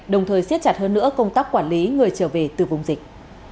đồng thời xiết chặt hơn nữa công tác quản lý người trở về từ vùng dịch